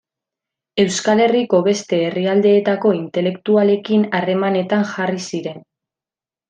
Euskal Herriko beste herrialdeetako intelektualekin harremanetan jarri ziren.